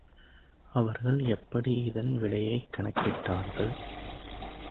அவர்கள் எப்படி இதன் விடையைக் கணக்கிட்டார்கள்?